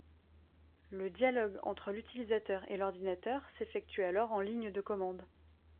Le dialogue entre l'utilisateur et l'ordinateur s'effectuait alors en ligne de commandes.